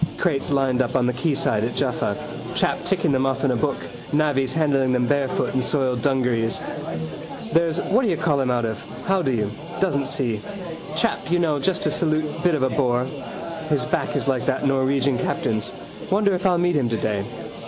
Crates lined up on the quayside at Jaffa, chap ticking them off in a book, navvies handling them barefoot in soiled dungarees. There's whatdoyoucallhim out of. How do you? Doesn't see. Chap you know just to salute bit of a bore. His back is like that Norwegian captain's. Wonder if I'll meet him today.